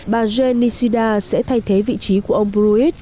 bà jane nisida sẽ thay thế vị trí của ông pruitt